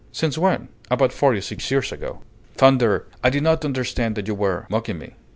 Since when?" "About forty six years ago." "Thunder! I did not understand that you were mocking me!"